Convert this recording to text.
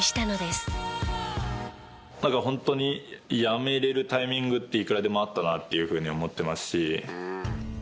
なんかホントにやめるタイミングっていくらでもあったなっていうふうに思っていますし。